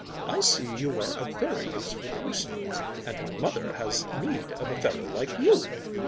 'I see you are a very useful person, and my mother has need of a fellow like you.